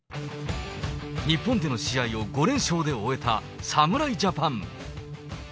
日本での試合を５連勝で終えた侍ジャパン。